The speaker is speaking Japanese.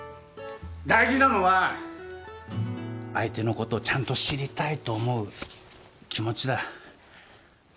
大事なのは相手の事をちゃんと知りたいと思う気持ちだ。